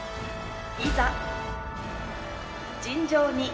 いざ。